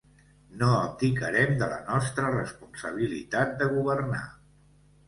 No abdicarem de la nostra responsabilitat de governar.